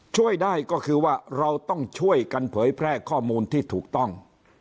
ช่วยได้ก็คือว่าเราต้องช่วยกันเผยแพร่ข้อมูลที่ถูกต้อง